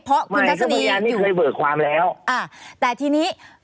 เพราะคุณทัศนีอยู่อ่าแต่ทีนี้